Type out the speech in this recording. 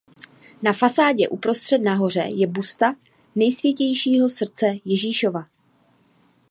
Na fasádě uprostřed nahoře je busta nejsvětějšího srdce Ježíšova.